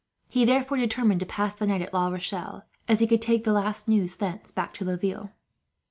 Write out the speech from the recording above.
He therefore determined to pass the night at La Rochelle, as he could take the last news, thence, back to Laville.